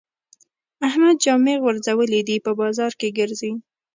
احمد جامې غورځولې دي؛ په بازار کې ګرځي.